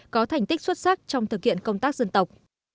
có thành tích xuất sắc trong thực hiện công tác dân tộc